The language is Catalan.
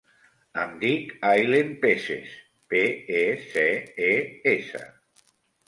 Em dic Aylen Peces: pe, e, ce, e, essa.